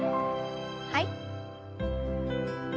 はい。